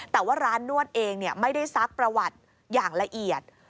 แต่ว่าร้านนวดเองไม่ได้ซักประวัติอย่างละเอียด